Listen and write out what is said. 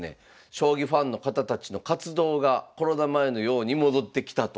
将棋ファンの方たちの活動がコロナ前のように戻ってきたと。